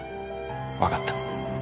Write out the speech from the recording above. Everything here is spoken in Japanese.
わかった。